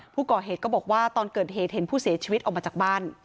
ผู้ก่อเหตุก็บอกว่าตอนเกิดเหตุเห็นผู้เสียชีวิตออกมาจากบ้าน